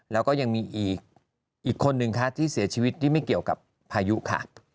แล้วก็ยังมีอีกคนนึงค่ะที่เสียชีวิตที่ไม่เกี่ยวกับพายุค่ะ